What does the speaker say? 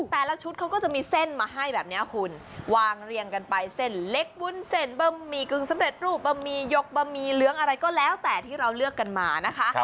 แต่ละชุดเขาก็จะมีเส้นมาให้แบบนี้คุณวางเรียงกันไปเส้นเล็กวุ้นเส้นบะหมี่กึ่งสำเร็จรูปบะหมี่ยกบะหมี่เหลืองอะไรก็แล้วแต่ที่เราเลือกกันมานะคะ